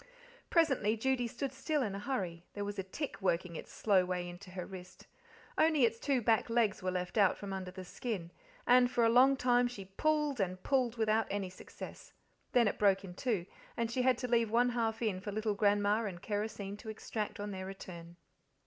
Presently Judy stood still in a hurry; there was a tick working its slow way into her wrist. Only its two back legs were left out from under the skin, and for a long time she pulled and pulled without any success. Then it broke in two, and she had to leave one half in for little Grandma and kerosene to extract on their return.